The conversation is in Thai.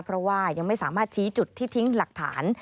เพราะว่ายังไม่สามารถชี้จุดที่ทิ้งหลักฐาน